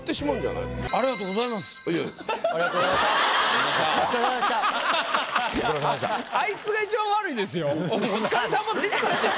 あいつがいちばん悪いですよ。